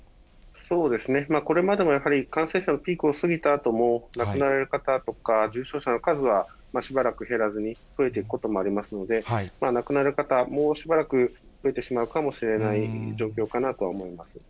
これまでもやはり感染者のピークを過ぎたあとも、亡くなられる方とか重症者の数はしばらく減らずに増えていくこともありますので、亡くなる方、もうしばらく増えてしまうかもしれない状況かなとは思います。